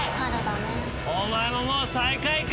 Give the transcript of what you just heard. お前ももう最下位か。